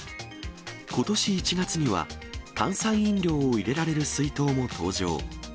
ことし１月には、炭酸飲料を入れられる水筒も登場。